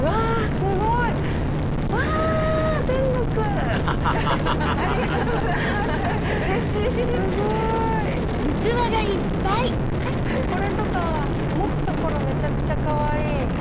すごい！これとか持つ所めちゃくちゃかわいい！